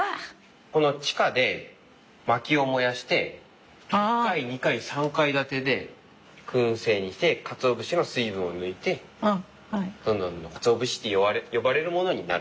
この地下で薪を燃やして１階２階３階建てでくん製にしてかつお節の水分を抜いてどんどんかつお節と呼ばれるものになる。